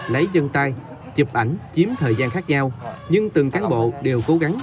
lấy dân tay chụp ảnh chiếm thời gian khác nhau nhưng từng cán bộ đều cố gắng